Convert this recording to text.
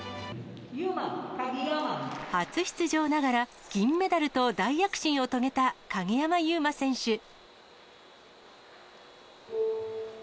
初出場ながら銀メダルと大躍進を遂げた鍵山優真選手。